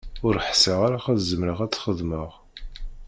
Ur ḥsiɣ ara ad zemreɣ ad t-xedmeɣ.